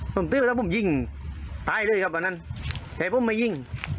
ซึ่งตายเลยครับประนันเจ็บผมไม่ยิง